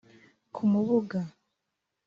ku Mubuga